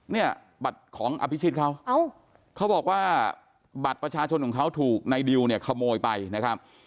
เนี่ยบัตรของอภิชิตเขาเขาบอกว่าบัตรประชาชนของเขาถูกในดิวเนี่ยขโมยไปนะครับ